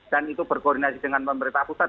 dan itu berkoordinasi dengan pemerintah pusat